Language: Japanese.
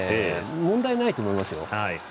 問題ないと思いますよ。